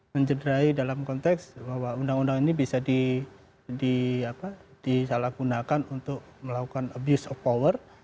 mencederai dalam konteks bahwa undang undang ini bisa disalahgunakan untuk melakukan abuse of power